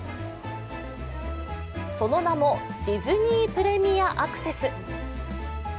その名もディズニー・プレミアアクセス。